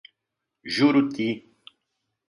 Juruti